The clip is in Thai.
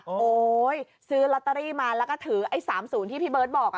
โอ้โหซื้อลอตเตอรี่มาแล้วก็ถือไอ้๓๐ที่พี่เบิร์ตบอก